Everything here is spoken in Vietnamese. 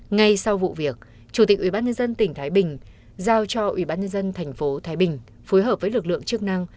ngay sau vụ việc chủ tịch ubnd tỉnh thái bình giao cho ubnd thành phố thái bình phối hợp với lực lượng chức năng